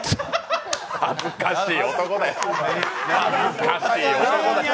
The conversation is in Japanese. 恥ずかしい男だよ。